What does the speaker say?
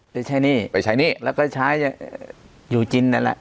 ได้ใช้หนี้ไปใช้หนี้แล้วก็ใช้อยู่กินนั่นแหละ